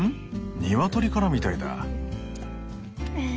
ニワトリからみたいだ。